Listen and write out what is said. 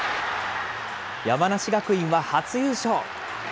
山梨学院は初優勝。